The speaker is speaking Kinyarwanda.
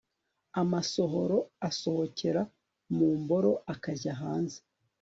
amasohoro asohokera mu mboro akajya hanze